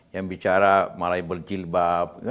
yang bicara malah berjilbab